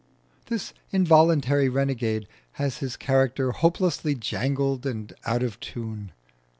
This involuntary renegade has his character hopelessly jangled and out of tune.